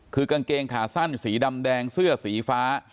คือกางเกงขาสั้นสีดำแดงเสื้อสีฟ้า